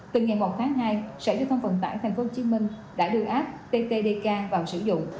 từ ngày một tháng hai sở yêu thông phần tải tp hcm đã đưa app ttdk vào sử dụng